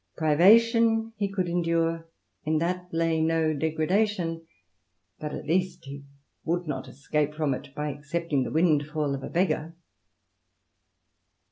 Privation he could endure : in that lay no degradation ; but at least he would not escape from it by accepting the windfall of a beggar.